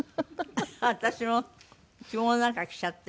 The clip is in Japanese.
私も着物なんか着ちゃって。